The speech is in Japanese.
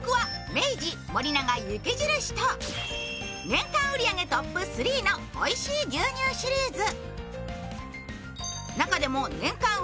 年間売り上げトップ３のおいしい牛乳シリーズ。